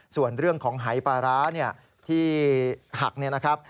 ส่วนเรื่องของหายปลาร้าที่หักเนี่ยนะครับ